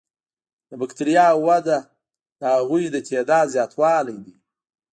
د بکټریاوو وده د هغوی د تعداد زیاتوالی دی.